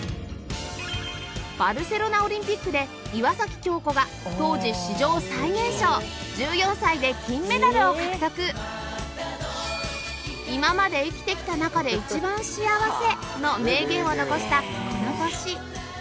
バルセロナオリンピックで岩崎恭子が当時史上最年少１４歳で金メダルを獲得の名言を残したこの年